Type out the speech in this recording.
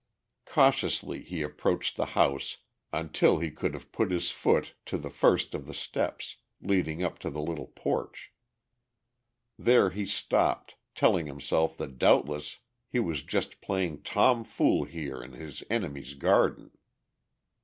Cautiously he approached the house until he could have put out his foot to the first of the steps leading up to the little porch. There he stopped, telling himself that doubtless he was just playing Tom fool here in his enemy's garden.